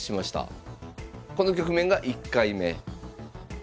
この局面が１回目。